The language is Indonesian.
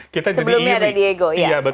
sebelumnya ada diego